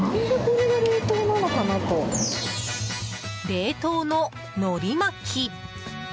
冷凍の、のり巻き。